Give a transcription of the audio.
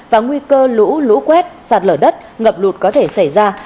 và nguy cơ lũ lũ quét sạt lở đất ngập lụt có thể xảy ra